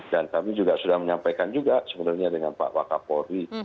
dan kami juga sudah menyampaikan juga sebenarnya dengan pak wakapori